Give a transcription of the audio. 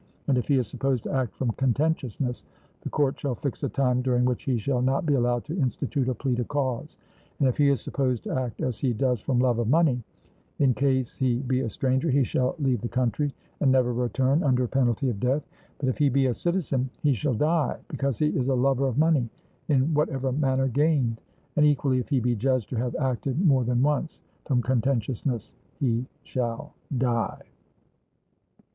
And if he is supposed to act from contentiousness, the court shall fix a time during which he shall not be allowed to institute or plead a cause; and if he is supposed to act as he does from love of money, in case he be a stranger, he shall leave the country, and never return under penalty of death; but if he be a citizen, he shall die, because he is a lover of money, in whatever manner gained; and equally, if he be judged to have acted more than once from contentiousness, he shall die.